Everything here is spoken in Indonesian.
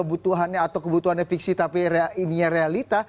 kebutuhannya atau kebutuhannya fiksi tapi ininya realita